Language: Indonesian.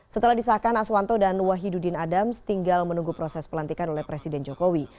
setelah disahkan aswanto dan wahidudin adams tinggal menunggu proses pelantikan oleh presiden jokowi